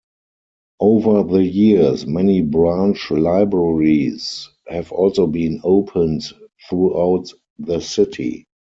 Over the years, many branch libraries have also been opened throughout the City.